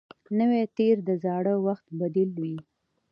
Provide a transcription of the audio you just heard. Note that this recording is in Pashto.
نوی تېر د زاړه وخت بدیل وي